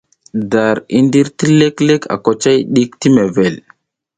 Dar i ndir ti leklek a kwacay ɗike ti level.